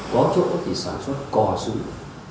có chỗ thì sản xuất cò súng